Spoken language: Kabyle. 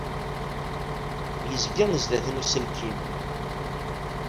Yezga sdat n uselkim.